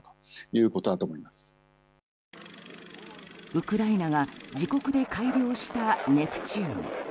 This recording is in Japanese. ウクライナが自国で改良したネプチューン。